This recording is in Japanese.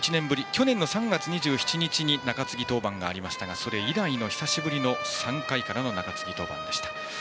去年の３月２７日に中継ぎ登板がありましたがそれ以来久しぶりの３回からの中継ぎ登板でした。